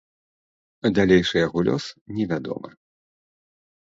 Далейшы яго лёс невядомы.